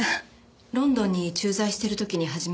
ロンドンに駐在している時に始めました。